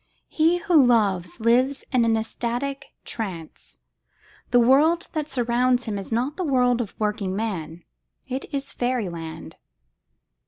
He who loves lives in an ecstatic trance. The world that surrounds him is not the world of working man: it is fairy land.